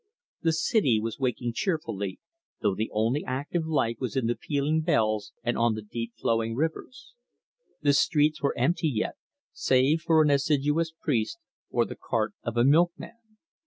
The city was waking cheerfully, though the only active life was in the pealing bells and on the deep flowing rivers. The streets were empty yet, save for an assiduous priest or the cart of a milkman.